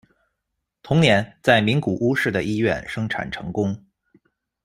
同年，在名古屋市的医院生产成功。